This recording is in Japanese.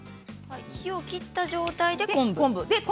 火を切った状態で昆布ですね。